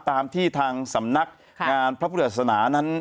ตามที่ทางสำนักงานพระพุทธศาสนานั้น